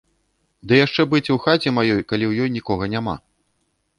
Ды яшчэ быць у хаце маёй, калі ў ёй нікога няма.